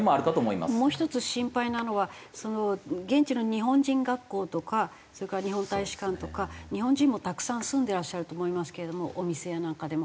もう１つ心配なのは現地の日本人学校とかそれから日本大使館とか日本人もたくさん住んでらっしゃると思いますけれどもお店やなんかでも。